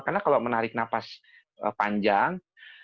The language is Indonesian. karena kalau menarik nafas panjang